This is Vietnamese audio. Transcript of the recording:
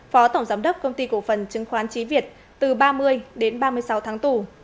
phó tổng giám đốc công ty cổ phần chứng khoán trí việt từ ba mươi đến ba mươi sáu tháng tù